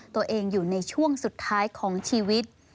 ตัวเองอยู่ในช่วงสุดท้ายของชีวิต